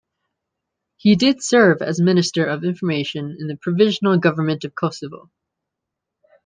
He did serve as minister of information in the provisional government of Kosovo.